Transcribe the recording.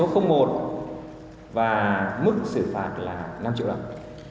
và mức xử phạt là năm triệu đồng